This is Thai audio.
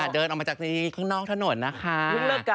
เดินออกมาจากข้างนอกถนนนะคะ